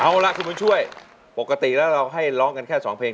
เอาล่ะคุณบุญช่วยปกติแล้วเราให้ร้องกันแค่สองเพลง